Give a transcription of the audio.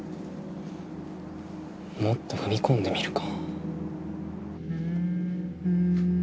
もっと踏み込んでみるか。